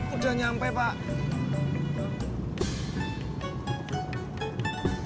udah nyampe pak